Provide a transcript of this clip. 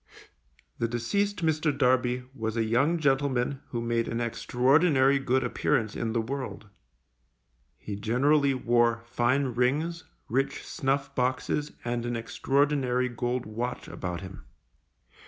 The deceased Mr. Darby was a young gentleman who made an extraordinary good appearance in the world. He generally wore fine rings, rich snuff boxes, and an extraordinary gold watch about him.